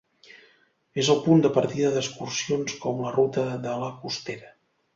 És el punt de partida d'excursions com la ruta de La Costera.